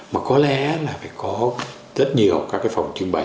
mà có lẽ là phải có rất nhiều các cái phòng trưng bày